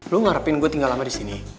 lo ngarepin gue tinggal lama disini